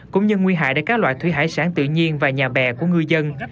cũng như nguy hại đến các loại thủy hải sản tự nhiên và nhà bè của người dân